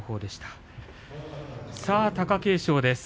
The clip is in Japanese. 貴景勝です。